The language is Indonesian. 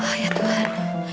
oh ya tuhan